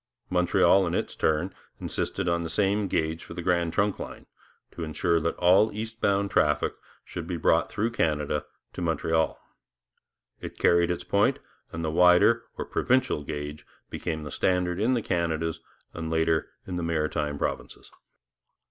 Montreal, in its turn, insisted on the same gauge for the Grand Trunk line, to ensure that all east bound traffic should be brought through Canada to Montreal. It carried its point, and the wider or 'provincial' gauge became the standard in the Canadas, and later in the Maritime Provinces.